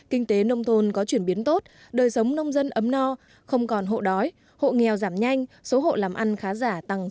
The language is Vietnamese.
kinh tế nông thôn có chuyển biến tốt đời sống nông dân ấm no không còn hộ đói hộ nghèo giảm nhanh số hộ làm ăn khá giả tăng